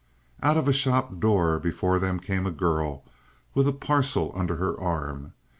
Out of a shop door before them came a girl with a parcel under her arm.